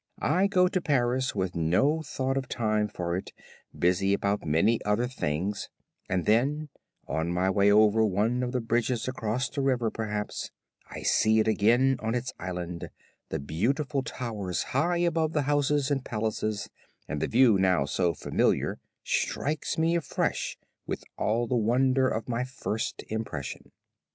I go to Paris with no thought of time for it, busy about many other things and then on my way over one of the bridges across the river perhaps, I see it again on its island, the beautiful towers high above the houses and palaces and the view now so familiar strikes me afresh with all the wonder of my first impression."